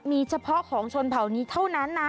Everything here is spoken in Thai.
มีเฉพาะของชนเผานี้เท่านั้นนะ